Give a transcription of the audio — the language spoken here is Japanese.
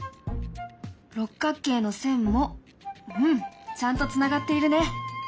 六角形の線もうんちゃんとつながっているね。